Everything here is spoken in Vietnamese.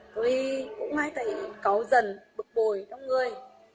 tôi cũng hay thấy có dần bực bồi trong người